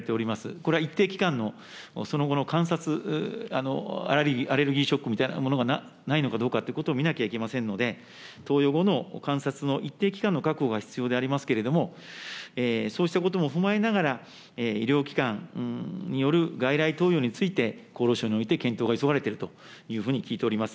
これは一定期間の、その後の観察、アレルギーショックみたいなものがないのかどうかということを見なきゃいけませんので、投与後の観察の一定期間の確保が必要でありますけれども、そうしたことも踏まえながら、医療機関による外来投与について、厚労省において検討が急がれているというふうに聞いております。